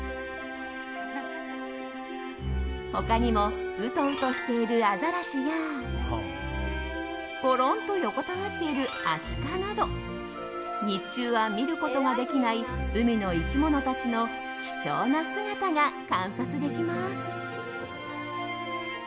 他にもウトウトしているアザラシやごろんと横たわっているアシカなど日中は見ることができない海の生き物たちの貴重な姿が観察できます。